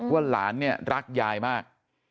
หลานเนี่ยรักยายมาก